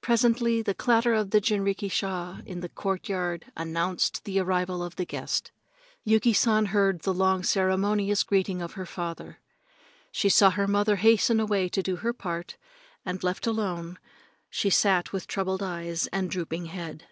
Presently the clatter of the jinrikisha in the courtyard announced the arrival of the guest. Yuki San heard the long ceremonious greeting of her father. She saw her mother hasten away to do her part and, left alone, she sat with troubled eyes and drooping head.